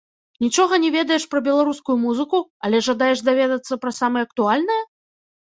Нічога не ведаеш пра беларускую музыку, але жадаеш даведацца пра самае актуальнае?